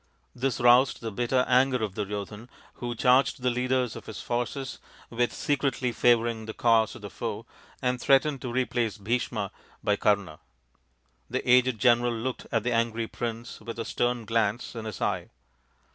This roused the bitter anger of Duryodhan, who charged the leaders of his forces with secretly favouring the cause of the foe, and threatened to replace Bhisma by Kama. The aged general looked at the angry prince with a stern glance in his eye.